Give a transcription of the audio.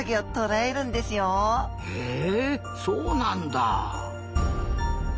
へえそうなんだ。